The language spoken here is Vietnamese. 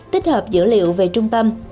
tích hợp dữ liệu về trung tâm